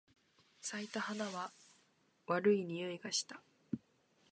咲いた花は悪い匂いがした。